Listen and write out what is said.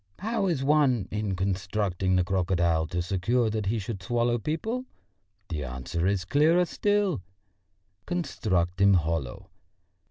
How is one, in constructing the crocodile, to secure that he should swallow people? The answer is clearer still: construct him hollow.